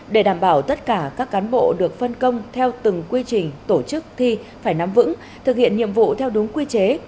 để đảm bảo tất cả các cán bộ được phân công theo từng quy trình tổ chức thi phải nắm vững thực hiện nhiệm vụ theo đúng quy chế